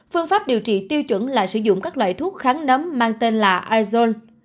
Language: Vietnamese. phương pháp điều trị tiêu chuẩn là sử dụng các loại thuốc kháng nấm mang tên là izon